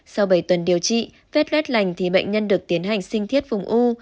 sau bảy tuần điều trị vết rết lành thì bệnh nhân được tiến hành sinh thiết vùng u